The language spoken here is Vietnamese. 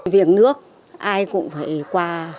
việc nước ai cũng phải qua